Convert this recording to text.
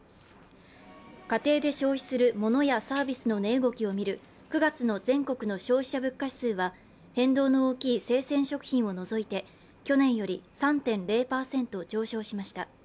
家庭で消費するモノやサービスの値動きを見る９月の全国の消費者物価指数は変動の大きい生鮮食品を除いて去年より３．０％上昇しました。